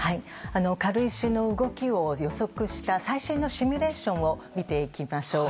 軽石の動きを予測した最新のシミュレーションを見ていきましょう。